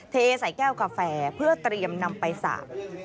เทใส่แก้วกาแฟเพื่อเตรียมนำไปสาบ